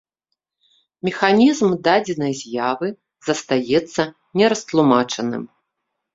Механізм дадзенай з'явы застаецца не растлумачаным.